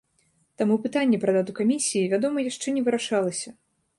Таму пытанне пра дату камісіі, вядома, яшчэ не вырашалася.